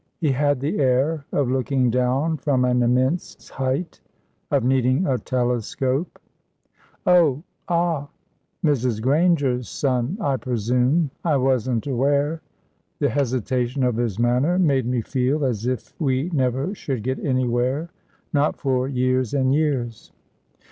He had the air of looking down from an immense height of needing a telescope. "Oh, ah ... Mrs. Granger's son, I presume.... I wasn't aware...." The hesitation of his manner made me feel as if we never should get anywhere not for years and years.